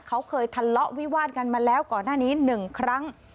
เขาเคยทะเลาะวิวาดกันมาแล้วก่อนหน้านี้๑ครั้ง